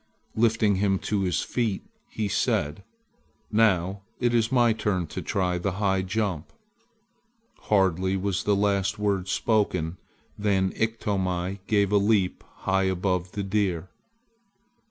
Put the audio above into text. Lifting him to his feet, he said: "Now it is my turn to try the high jump!" Hardly was the last word spoken than Iktomi gave a leap high above the deer.